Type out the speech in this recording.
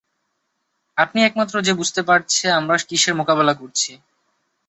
আপনিই একমাত্র যে বুঝতে পারছে আমরা কিসের মোকাবেলা করছি।